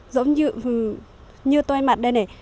giống như tôi mặt đây này